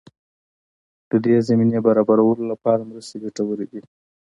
د دې زمینې برابرولو لپاره مرستې ګټورې دي.